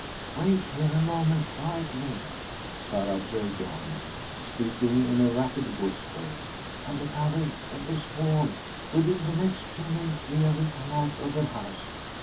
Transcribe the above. "Wait here a moment quietly," Sarah rejoined, speaking in a rapid whisper, "under cover of this wall. Within the next few minutes Leah will come out of the house.